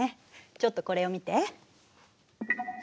ちょっとこれを見て。